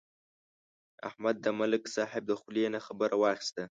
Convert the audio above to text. احمد د ملک صاحب د خولې نه خبره واخیسته.